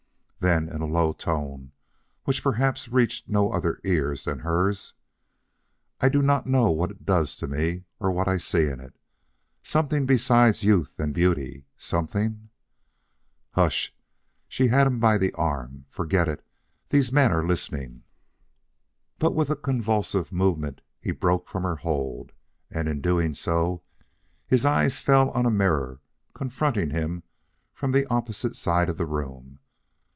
Then in a low tone which perhaps reached no other ears than hers: "I do not know what it does to me; or what I see in it. Something besides youth and beauty. Something " "Hush!" She had him by the arm. "Forget it; these men are listening " But with a convulsive movement, he broke from her hold, and in so doing his eyes fell on a mirror confronting him from the opposite side of the room.